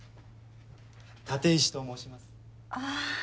立石と申しますああ